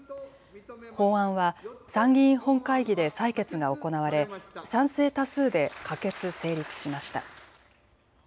法案は参議院本会議で採決が行われ賛成多数で可決・成立しました。